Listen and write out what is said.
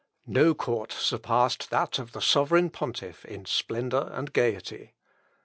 No court surpassed that of the sovereign pontiff in splendour and gayety.